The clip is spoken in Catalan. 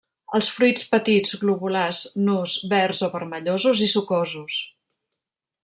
Els fruits petits, globulars, nus, verds o vermellosos i sucosos.